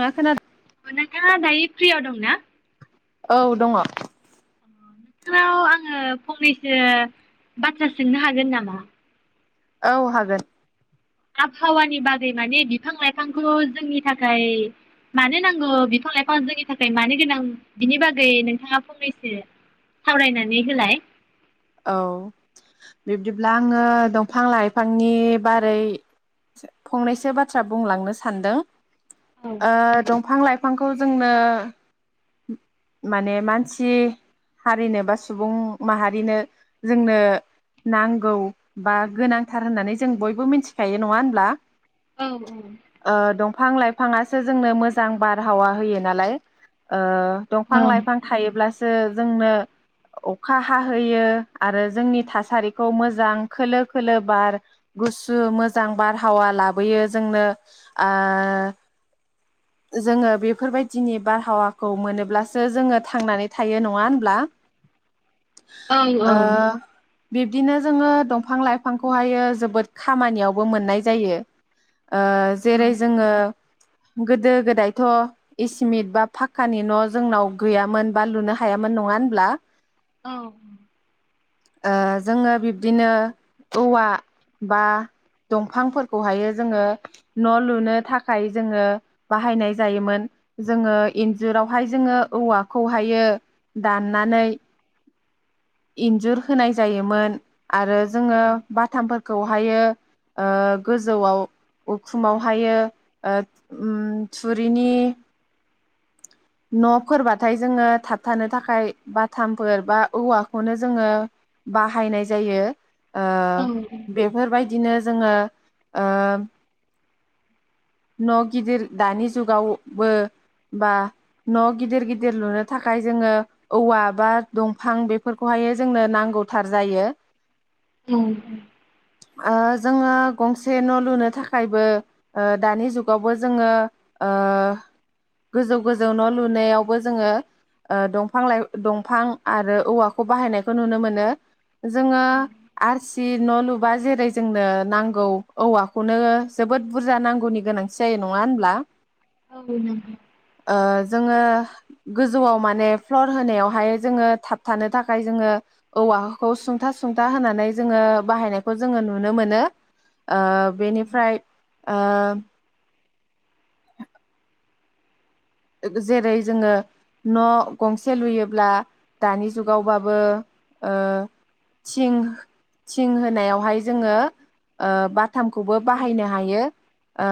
आङ खोनादो नोंथाङा दायो फ्रियाव दंना? औ दङ। नोंथांनाव आङो फंनैसो बाथ्रा सोंनो हागोन नामा? औ हागोन। आबहावानि बागै माने बिफां लाइफांखौ जोंनि थाखाय मानो नांगौ बिफां लाइफाङा जोंनि थाखाय मानो गोनां बिनि बागै नोंथाङा फंनैसो सावरायनानै होलाय? औ बिब्दिब्ला आङो दंफां लाइफांनि बारै फंनैसो बाथ्रा बुंलांनो सानदों औ ओ दंफां लाइफांखौ जोंनो माने मानसि हारिनो बा सुबुं माहारिनो जोंनो नांगौ बा गोनांथार होननानै जों बयबो मिथिखायो नङा होनब्ला औ औ। बिफां लाइफाङासो जोंनो मोजां बारहावा होयो नालाय ओ औ दंफां लाइफां थायोब्लास जोंनो अखा हाहैयो आरो जोंनि थासारिखौ मोजां खोलो खोलो बार गुसु मोजां बारहावा लाबोयो जोंनो ओ जोङो बेफोरबायदिनि बारहावा खौ मोनोब्लासो जोङो थांनानै थायो नङा होनब्ला? ओ औ बिब्दिनो जोङो दंफां लाइफांखौहायो जोबोद खामानियावबो मोननाय जायो जेरै जोङो गोदो गोदायथ' इसिमिट बा फा खानि न' जोंनाव गैयामोन बा लुनो हायामोन नङा होनब्ला। औ। ओ जोङो बिब्दिनो औवा बा दंफांफोरखौहायो जोङो न' लुनो थाखाय जोङो बाहायनाय जायोमोन जोङो इन्जुरावहाय जोङो औवाखौहायो दाननानै इन्जुर होनाय जायोमोन आरो जोङो बाथामफोरखौहायो ओ गोजौआव उखुमावहायो ओ म थुरिनि न'फोरबाथाय जोङो थाबथानो थाखाय बाथामफोर बा औवाखौनो जोङो बाहायनाय जायो। ओ औ बेफोरबायदि दिनो जोङो ओ न' गिदिर दानि जुगावबो बा न' गिदिर गिदिर लुनो थाखाय जोङो औवा बा दंफां बेफोरखौहाय जोंनो नांगौथार जायो। औ। ओ जोङो गंसे न' लुनो थाखायबो ओ दानि जुगावबो जोङो ओ गोजौ गोजौ न' लुनायावबो जोङो दंफां लाइ दंफां आरो औवाखौ बाहायनायखौ नुनो मोनो जोङो आरसि न' लुबा जेरै जोंनो नांगौ औवाखौनो जोबोद बुरजा नांगौ गौनि गोनांथि जायो नङा होनब्ला? औ नंगौ। ओ जोङो गोजौआव माने फ्लर होनायावहाय जोङो थाबथानो थाखाय जोङो औवाखौ सुंथा सुंथा होनानै जोङो बाहायनायखौ जोङो नुनो मोनो। ओ औ बेनिफ्राय आ [unintelligible] जेरै जोङो न' गंसे लुयोब्ला दानि जुगावबाबो ओ थिं थिं होनायावहाय जोङो ओ बाथ थामखौबो बाहायनो हायो ओ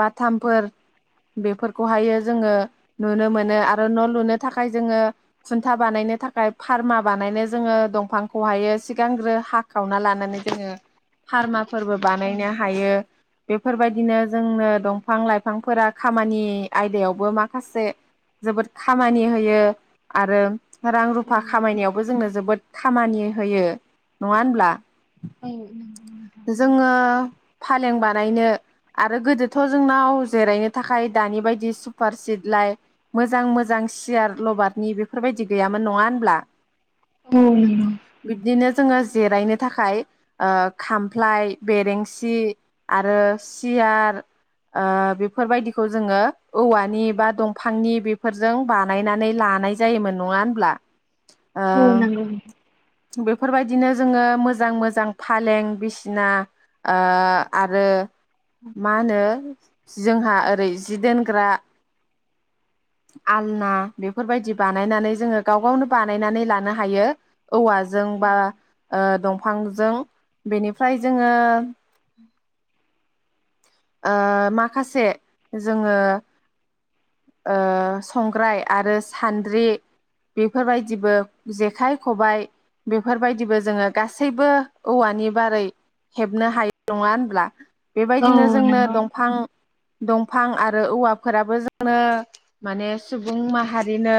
बाथामफोर बेफोर खौहायो जोङो नुनो मोनो आरो न' लुनो थाखाय जोङो खुन्था बानायनो थाखाय फार्मा बानायनो जोङो दंफांखौहायो सिगांग्रो हाखावना लानानै जोङो फार्मा फोरबो औ बानायनो हायो। बेफोर बायदिनो जोंनो दंफां लाइफांफोरा खामानि आयदायावबो माखासे जोबोद खामानि होयो आरो रां औ रुफा खामायनायावबो जोंनो जोबोद खामानि होयो नङा होनब्ला? औ। जोङो फालें बानायनो आरो गोदोथ' जोंनाव जिरायनो थाखाय दानि बायदि सुपार सिटलाय मोजां मोजां सियार लबारनि बेफोरबायदि गैयामोन नङा होनब्ला? औ नंगौ। बिब्दिनो जोङो जिरायनो थाखाय ओ खामफ्लाय बेरेंसि आरो सियार ओ बेफोर बायदिखौ जोङो औवानि बा दंफांनि बेफोरजों बानायनानै लानाय जायोमोन। नङा होनब्ला? औ नोंगौ नों बेफोर बायदिनो जोङो मोजां मोजां फालें बिसिना ओ आरो मा होनो जोंहा ओरै जि दोनग्रा आलना बेफोर बायदि बानायनानै जोङो गाव गावनो बानायनानै लानो हायो। औवाजों औ बा ओ दंफां फांजों बेनिफ्राय जोङो ओ माखासे जोङो संग्राय आरो सान्द्रि बेफोर बायदिबो जेखाइ खबाइ बेफोर बायदिबो जोङो गासैबो औवानि बारै हेबनो हायो नङा होनब्ला? बेबायदिनो जोंनो नंगौ दंफां दंफां आरो औवाफोराबो जोंनो माने सुबुं माहारिनो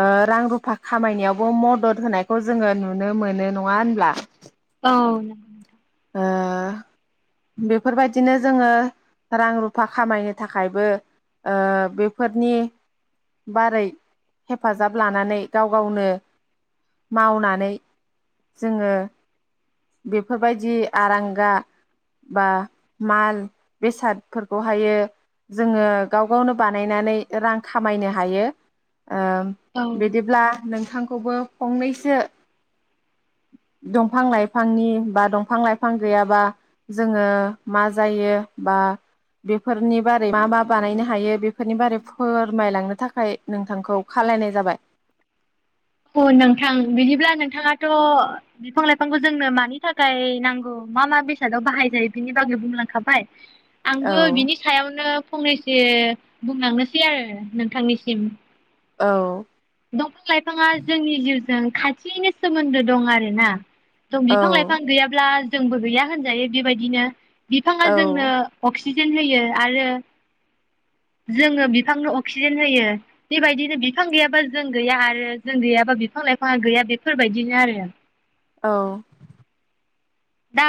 ओ रां रुफा खामायनायावबो मदद होनायखौ जोङो नुनो मोनो नङा होनब्ला। औ। ओ बेफोरबायदिनो जोङो रां रुफा खामायनो थाखायबो ओ बेफोरनि बारै हेफाजाब लानानै गाव गावनो मावनानै जोङो बेफोर बेफोरबायदि आरांगा बा माल बेसादफोरखौहायो जोङो गाव गावनो बानायनानै रां खामायनो हायो। ओम औ बिदिब्ला नोंथांखौबो। फंनैसो दंफां लाइफांनि बा। दंफां लाइफां गैयाबा जोङो मा जायो बा बेफोरनि बारै मा मा बानायनो हायो। बेफोरनि बारै फोरमायनो। फैरमायलांनो थाखाय नोंथांखौ खावलायनाय जाबाय। अ नोंथां बिदिब्ला नोंथाङाथ' बिफां लाइफांखौ जोंनो मानि थाखाय नांगौ मा मा बेसादाव बाहाय जायो बिनि बागै बुंलांखाबाय। औ आंबो बिनि सायावनो फंनैसो। जे बुंलांनोसै आरो नोंथांनिसिम‌ औ। दंफां लाइफाङा जोंनि जिउजों खाथिनो सोमोन्दो दं आरोना। बिफां लाइफां औ गैयाब्ला। जोंबो गैया होनजायो बेबायदिनो। बिफाङा औ जोंनो अक्सिजेन। जेन होयो आरो। जोङो बिफांनो अक्सिजेन होयो बेबायदिनो बिफां गैयाबा जों गैया आरो जों गैयाबा बिफां लाइफाङा गैया बेफोरबायदिनो आरो औ दा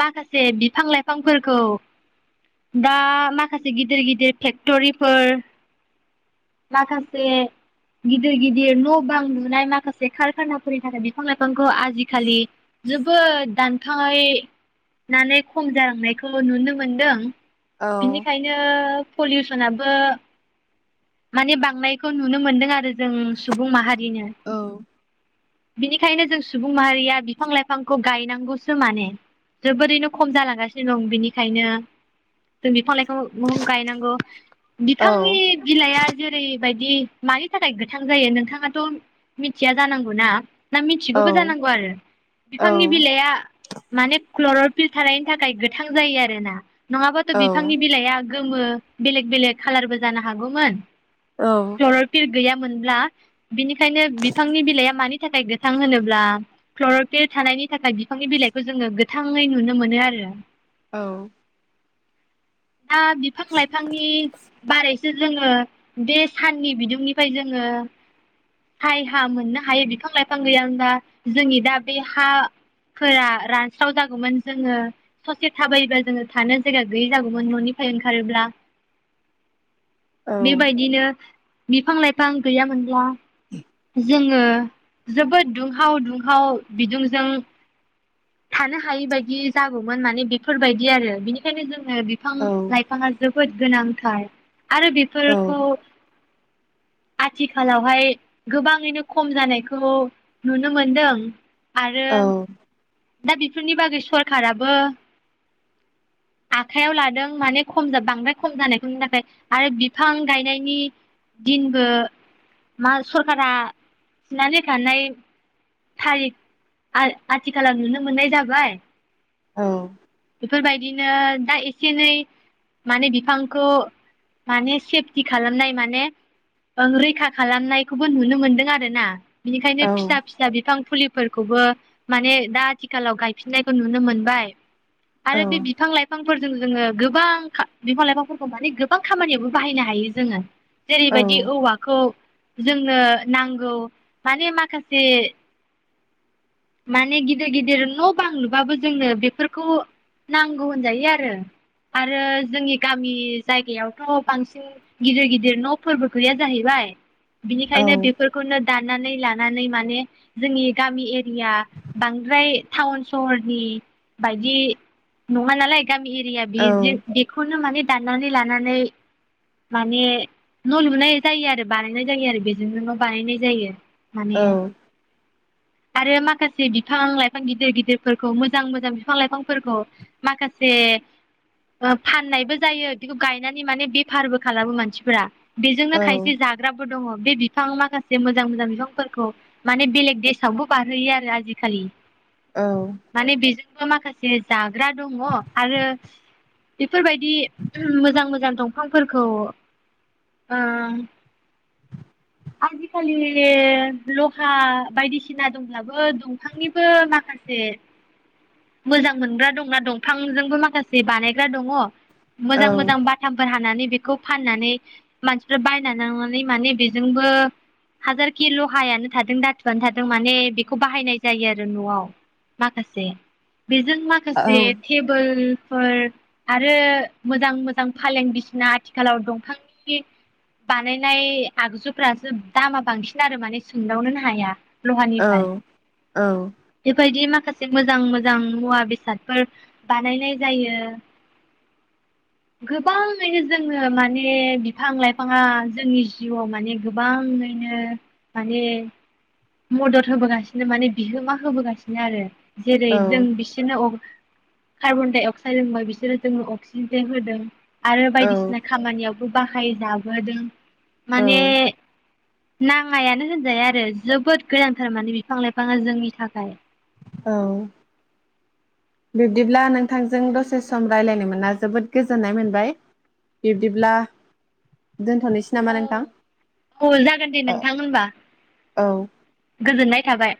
माखासे बिफां लाइफांफोरखौ दा माखासे गिदिर गिदिर फेक्ट'रिफोर माखासे गिदिर गिदिर न' बां लुनाय माखासे कारखानाफोरनि थाखाय बिफां लाइफां आजिखालि जोबोद दान [unintelligible] नानै खम जालांनायखौ नुनो मोनदों औ बिनिखायनो पलिउसनाबो माने बांनायखौ नुनो मोनदों आरो जों सुबुं माहारि औ बिदिनो बिनिखायनो जों सुबुं माहारिया बिफां लाइफांखौ गायनांगौ माने जोबोरैनो खम जालांगासिनो दं बिनिखायनो जों बिफां लाइ [unintelligible] गायनांगौ औ बिफांनि बिलाइआ जेरैबायदि मानि थाखाय गोथां जायो नोंथाङाथ' मिथिया जानांगौना ना औ मिथिगौबो जानांगौ आरो औ बिफांनि बिलाइआ माने क्लरल फिलथारनायनि थाखाय गोथां जायो आरोना नङाबाथ' औ बिफांनि बिलाइआ गोमो बेलेग बेलेक कलारबो जानो हागौमोन औ [unintelligible] गैयामोनब्ला बिनिखायनो बिफांनि बिलाइआ मानि थाखाय गोथां होनोब्ला क्लर'फेड थानायनि थाखाय बिफांनि बिलाइ खौ जोङो गोथाङै नुनो मोनो आरो औ दा बिफां लाइफांनि बाराय जोंङो बे साननि बिदुंनिफ्राय जोङो साय हा मोननो हायो बिफां लाइफां गैय गोयामोनबा जोंनि दा बे हाफोरा रानस्राव जागौमोन जोंङो ससे थाबायोबा जोङो थानो जायगा गैयै जागौ गुबुन न'निफ्राय ओंखारोब्ला बेबायदिनो बिफां लाइफां गैयामोनब्ला जों ओ जोबोद दुंहाव दुंहाव बिदुंजों थानो हायै बायदि जागौमोन माने बेफोरबायदि आरो बिनिखायनो जोंङो बिफां औ लाइफाङा जोब बोद गोनांथार आरो बेफोरखौ आथिखालावहाय गोबाङैनो खम जानायखौ नुनो मोनदों। औ आरो दा बेफोरनि बागै सरखाराबो आखाइयाव लादों माने खम बांद्राय खम जानायखौनि थाखाय आरो बिफां गायनायनि दिनबो मा सरकारा थिनानै हो थानायानाय थारिख आथिखालाव नुनो मोननाय जाबाय। औ बेफोरबायदिनो दा एसे एनै माने बिफांखौ माने सेफटि खालामनाय माने रैखा खालामनायखौबो नुनो मोनदों आरो ना। बिनिखायनो फिसा फिसा बिफां फुलि फोरखौबो माने दा आथिखालाव गायफिननायखौ नुनो मोनबाय आरो बे बिफां लाइफां फोर जों जोंङो गोबां बिफां लाइफांफोरखौ माने गोबां खामानियावबो बाहायनो हायो जोंङो। जेरैबायदि औवाखौ जोंनो नांगौ माने माखासे माने गिदिर गिदिर न' बां लुबाबो जोंनो बेफोरखौ नांगौ होनजायो आरो आरो जोंनि गामि जायगायावथ' बांसिन गिदिर गिदिर न' फोरबो गैया जाहैबाय। बिनिखायनो बेफोरखौनो दा नानै लानानै माने जोंनि गामि या बांद्राय टाउन सहरनि बायदि नङा नालाय गामि एरिया बे बेखौनो माने दाननानै लानानै माने न' लुनाय जायो आरो बानायनाय जायो आरो बेजोंनो न' बानायनाय जायो। माने आरो माखासे बिफां लाइफां गिदिर गिदिरफोरखौ मोजां मोजां बिफां लाइफांफोरखौ माखासे फाननायबो जायो बेखौ गायनानै माने बेफारबो खालामो मानसिफोरा बेजोंनो खायसे जाग्राबो दङ बे बिफां माखासे मोजां मोजां बिफांफोरखौ माने बेलेग देस फसावबो बारहोयो आरो आजिखालि माने बि माखासे जाग्रा दङ आरो बेफोरबायदि मोजां मोजां दंफांफोरखौ आजिखालि लहा बायदिसिना दंब्लाबो दंफांनिबो माखासे मोजां मोनग्रा दंना दंफांजोंबो माखासे बानायग्रा दङ। औ मोजां मोजां बाथामफोर हानानै बेखौ फाननानै मानसिफोरा बायनानै लनानै माने बे जोंबो हाजार किल' हायानो थादों दाथुआनो थादों माने बेखौ बाहायनाय जायो आरो न'आव माखासे। बेजों माखासे औ औ टेबोल फोर आरो मोजां मोजां फालें बिसिना आथिखालाव दंफांनि बानायनाय। आगजुफ्रासो दामा बांसिन आरो माने सोंदावनोनो हाया। औ लहानिफ्राय बेबायदि मा माखासे मोजां मोजां मुवा बेसादफोर बानायनाय जायो गोबाङैनो जोङो माने बिफां लाइफाङा जोंनि जिउआव माने गोबाङैनो माने मदद होबोगासिनो माने बिहोमा होबोगासिनो आरो। जेरै जों औ बिसोरनो कार्बन डाइ अक्साइड होनोंबा बिसोरो जोङो अक्सिजेने होदों। आरो औ बायदिसिना खामानियाव बाहायजाबोदों। माने नाङायानो होनजाया आरो जोबोद गोनांथार माने बिफां लाइफाङा जोंनि थाखाय। औ बिब्दिब्ला नोंथांजों दसे सम राय्लायनो मोना जोबोद गोजोननाय मोनबाय बिब्दिब्ला दोनथ'नोसै नामा औ नोंथां औ जागोन दे नोंथां होनबा औ गोजोननाय थाबाय।